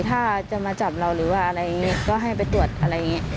ถ้าจะมาจับเราหรือว่าอะไรอย่างนี้ก็ให้ไปตรวจอะไรอย่างนี้